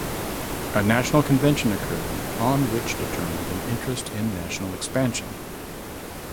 A national convention occurred on which determined an interest in national expansion.